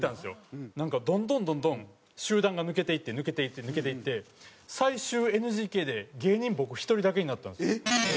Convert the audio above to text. なんかどんどんどんどん集団が抜けていって抜けていって抜けていって最終ＮＧＫで芸人僕１人だけになったんですよ。